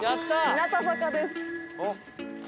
日向坂です。